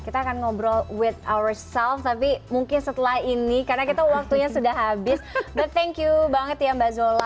kita akan ngobrol with our self tapi mungkin setelah ini karena kita waktunya sudah habis the thank you banget ya mbak zola